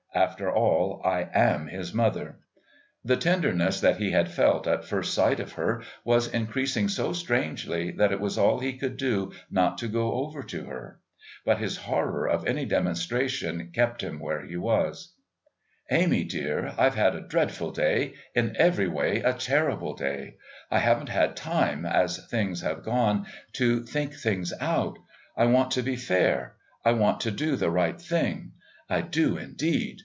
After all, I am his mother." The tenderness that he had felt at first sight of her was increasing so strangely that it was all he could do not to go over to her. But his horror of any demonstration kept him where he was. "Amy, dear," he said, "I've had a dreadful day in every way a terrible day. I haven't had time, as things have gone, to think things out. I want to be fair. I want to do the right thing. I do indeed.